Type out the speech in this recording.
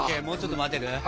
もうちょっと待てる？